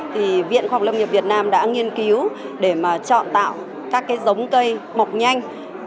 thì viện khoa học lâm nghiệp việt nam đã nghiên cứu để mà chọn tạo các cái giống cây mọc nhanh